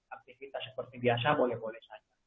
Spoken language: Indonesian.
aktivitas seperti biasa boleh boleh saja